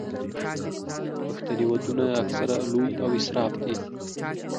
پښتني ودونه اکثره لوی او اسراف دي.